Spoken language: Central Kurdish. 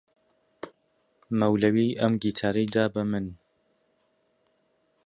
مەولەوی ئەم گیتارەی دا بە من.